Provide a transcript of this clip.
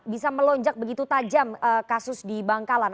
bisa melonjak begitu tajam kasus di bangkalan